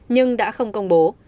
nhưng đã không công bố